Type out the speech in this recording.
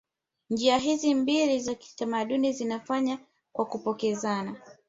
Njia hizi mbili za kitamaduni zinafanywa kwa kupokezana